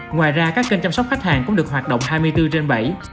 ngoài ra các kênh chăm sóc khách hàng cũng được hoạt động hai mươi bốn trên bảy